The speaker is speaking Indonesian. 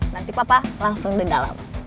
nanti papa langsung ke dalam